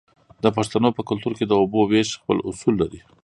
د پښتنو په کلتور کې د اوبو ویش خپل اصول لري.